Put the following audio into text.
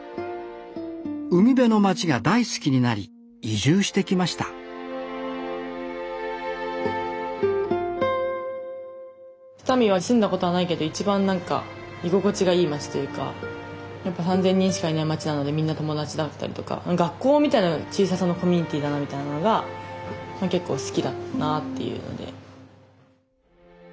海辺の町が大好きになり移住してきました双海は住んだことはないけど一番何か居心地がいい町というかやっぱ３，０００人しかいない町なのでみんな友達だったりとか学校みたいな小ささのコミュニティーだなみたいなのが結構好きだなっていうので。